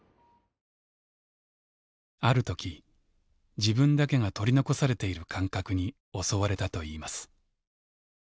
ある時自分だけが取り残されている感覚に襲われたといいます。